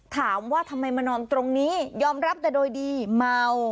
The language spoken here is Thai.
ถามว่าทำไมมานอนตรงนี้ยอมรับแต่โดยดีเมา